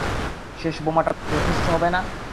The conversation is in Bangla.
শেষ বোমাটা যথেষ্ট হবে না?